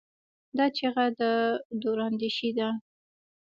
دا چیغه د دوراندیشۍ ده.